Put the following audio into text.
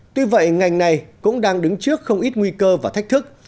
tuy vậy ngành này cũng đang đứng trước không ít nguy cơ và thách thức